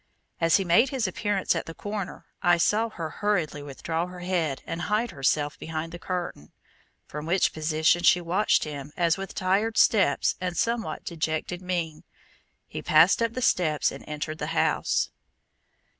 As he made his appearance at the corner, I saw her hurriedly withdraw her head and hide herself behind the curtain, from which position she watched him as with tired steps and somewhat dejected mien, he passed up the steps and entered the house.